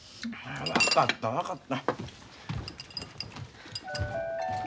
分かった分かった。